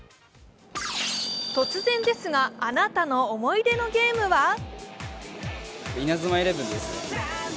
突然ですが、あなたの思い出のゲームは？